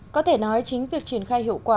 có thể nói chính việc triển khai hiệu quả